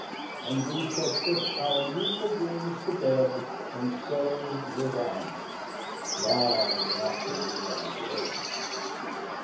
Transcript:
And we shall put our youthful dreams to bed, And so live on long after we are dead.